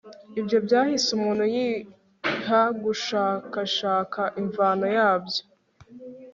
ibyo byahise umuntu yiha gushakashaka imvano yabyo